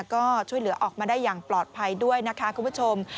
ก็ช่วยเหลือออกมาได้อย่างปลอดภัยด้วยนะคะคุณผู้ชม